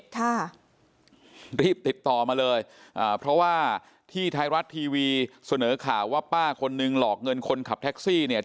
ค่ะรีบติดต่อมาเลยอ่าเพราะว่าที่ไทยรัฐทีวีเสนอข่าวว่าป้าคนนึงหลอกเงินคนขับแท็กซี่เนี่ย